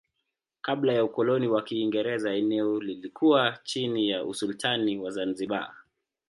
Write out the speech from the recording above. Kabla ya ukoloni wa Kiingereza eneo lilikuwa chini ya usultani wa Zanzibar.